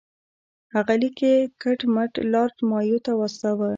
هغه لیک یې کټ مټ لارډ مایو ته واستاوه.